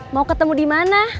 mau ketemu di mana